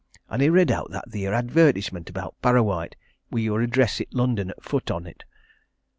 An' he read out that theer advertisement about Parrawhite wi' your address i' London at t' foot on it.